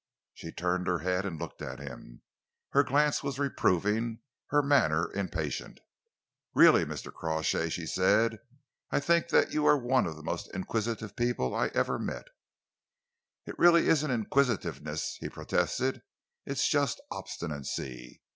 She turned her head and looked at him. Her glance was reproving, her manner impatient. "Really, Mr. Crawshay," she said, "I think that you are one of the most inquisitive people I ever met." "It really isn't inquisitiveness," he protested. "It's just obstinacy.